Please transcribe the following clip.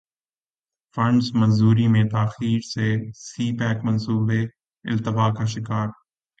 funds منظوری میں تاخیر سے سی پیک منصوبے التوا کا شکار